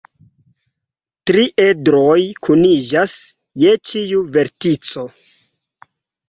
Tri edroj kuniĝas je ĉiu vertico.